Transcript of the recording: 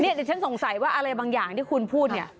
เดี๋ยวฉันสงสัยว่าอะไรบางอย่างที่คุณพูดเนี่ย